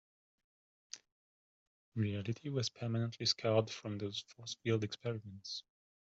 Reality was permanently scarred from those force field experiments.